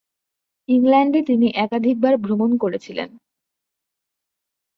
ইংল্যান্ডে তিনি একাধিকবার ভ্রমণ করেছিলেন।